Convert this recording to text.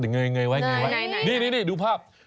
เงยไว้นี่ดูภาพ